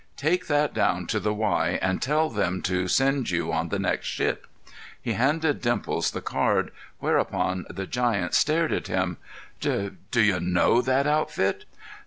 "Take that down to the Y and tell them to send you on the next ship." He handed Dimples the card, whereupon the giant stared at him. "D—d'you know that outfit?"